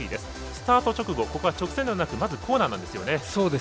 スタート直後、直線ではなくコーナーなんですよね。